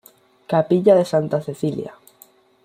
Capilla de Santa Cecilia.